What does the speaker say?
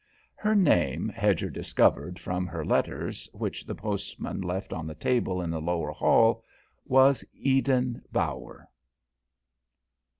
Her name, Hedger discovered from her letters, which the postman left on the table in the lower hall, was Eden Bower.